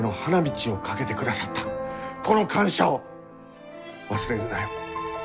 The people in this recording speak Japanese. この感謝を忘れるなよ。